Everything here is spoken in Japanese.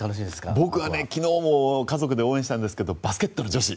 僕は昨日も家族で応援してたんですけどバスケットの女子。